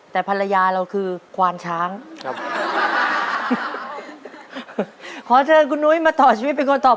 แต่ภรรยาเราคือ